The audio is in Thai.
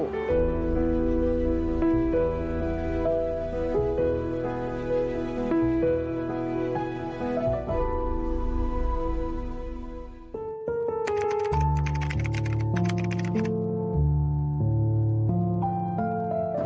สอยพราตริกลับที่จะออกไป